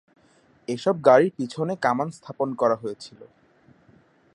এসব গাড়ির পিছনে কামান স্থাপন করা হয়েছিল।